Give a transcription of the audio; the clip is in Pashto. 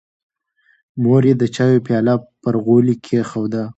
مور یې د چایو پیاله پر غولي کېښوده.